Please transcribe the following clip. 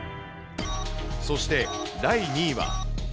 そして第２位は。